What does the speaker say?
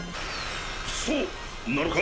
そうなのか？